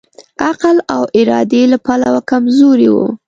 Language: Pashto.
عقل او ارادې له پلوه کمزوری وو.